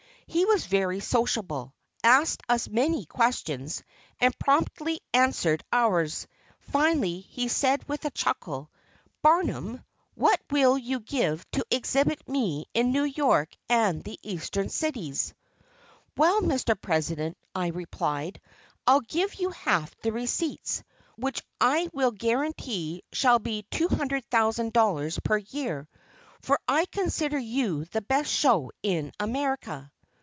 He was very sociable, asked us many questions, and promptly answered ours. Finally he said with a chuckle: "Barnum, what will you give to exhibit me in New York and the Eastern cities?" "Well, Mr. President," I replied, "I'll give you half the receipts, which I will guarantee shall be $200,000 per year, for I consider you the best show in America."